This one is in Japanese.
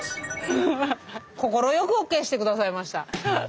快くＯＫしてくださいました。